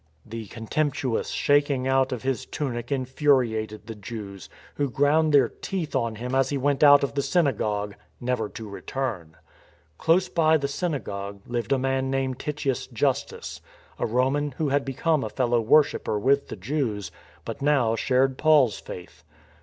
The contemptuous shaking out of his tunic infuri ated the Jews, who ground their teeth on him as he went out of the synagogue, never to return. Close by the synagogue lived a man named Titius Justus, a Roman who had become a fellow worshipper with the » F. W. H. Myers, " St. Paul." THE CHALLENGE TO CORINTH 231 Jews, but now shared Paul's faith.